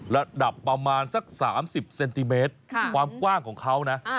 ระดับประมาณสัก๓๐เซนติเมตรความกว้างของเขานะ